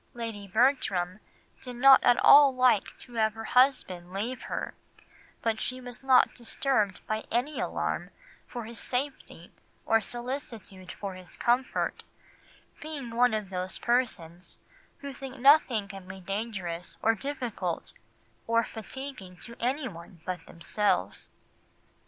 "Lady Bertram did not at all like to have her husband leave her; but she was not disturbed by any alarm for his safety or solicitude for his comfort, being one of those persons who think nothing can be dangerous or difficult or fatiguing to anyone but themselves."